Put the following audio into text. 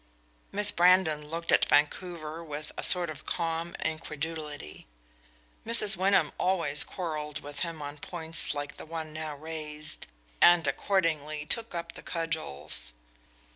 Miss Brandon looked at Vancouver with a sort of calm incredulity. Mrs. Wyndham always quarreled with him on points like the one now raised, and accordingly took up the cudgels.